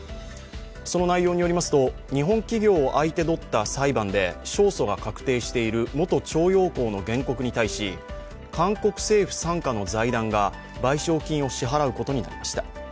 その内容によりますと、日本企業を相手取った裁判で勝訴が確定している元徴用工の原告に対し韓国政府傘下の財団が賠償金を支払うことになりました。